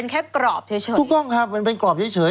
เหมือนเป็นแค่กรอบเฉย